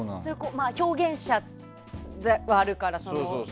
表現者であるから。